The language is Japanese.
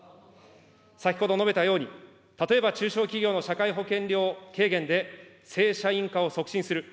先ほど述べたように、例えば中小企業の社会保険料軽減で正社員化を促進する。